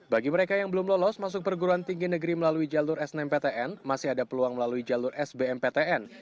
bagi mereka yang belum lolos masuk perguruan tinggi negeri melalui jalur snmptn masih ada peluang melalui jalur sbmptn